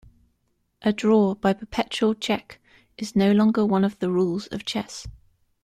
A draw by perpetual check is no longer one of the rules of chess.